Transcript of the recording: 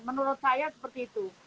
menurut saya seperti itu